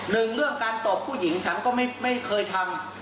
เรื่องการตอบผู้หญิงฉันก็ไม่เคยทำ